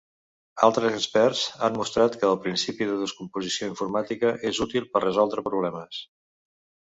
Altres experts han mostrat que el principi de descomposició informàtica és útil per resoldre problemes.